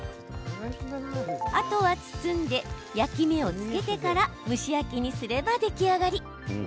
あとは包んで焼き目をつけてから蒸し焼きにすれば出来上がり。